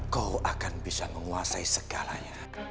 kau akan bisa menguasai segalanya